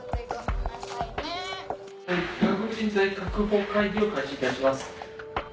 ・外国人材確保会議を開始いたします